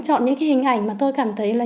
chọn những cái hình ảnh mà tôi cảm thấy là